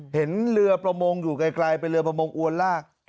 เห็นเรือประมงอยู่ไกลเป็นเรือประมงอวนลาก